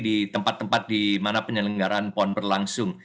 di tempat tempat di mana penyelenggaraan pon berlangsung